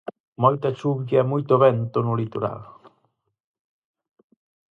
Moita chuvia e moito vento no litoral.